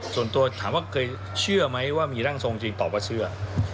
ส่วนตัวถามว่าเคยเชื่อไหมว่ามีร่างทรงจริงตอบว่าเชื่อ